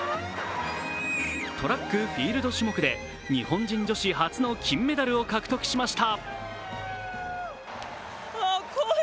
トラック・フィールド種目で日本人女子初の金メダルを獲得しました。